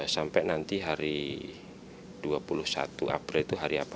sampai nanti hari dua puluh satu april itu hari apa